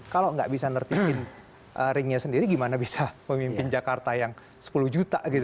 kalau nggak bisa nertipin ringnya sendiri gimana bisa pemimpin jakarta yang sepuluh juta nih